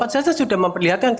saya sudah memperlihatkan